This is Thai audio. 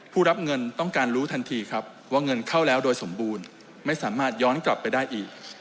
รับเงินต้องการรู้ทันทีครับว่าเงินเข้าแล้วโดยสมบูรณ์ไม่สามารถย้อนกลับไปได้อีก